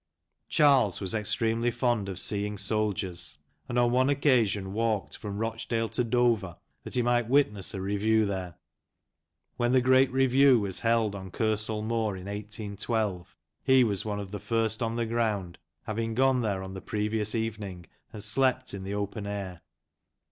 Charles was extremely fond of seeing soldiers, and on one occasion walked from Rochdale to Dover that he might witness a review there. When the great review was held on Kersal Moor, in 18 12, he was one of the first on the ground, having gone there on the previous evening and slept in the open air.